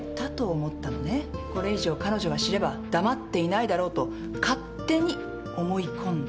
これ以上彼女が知れば黙っていないだろうと勝手に思い込んだ。